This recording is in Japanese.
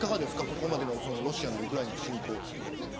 ここまでのロシアのウクライナ侵攻は。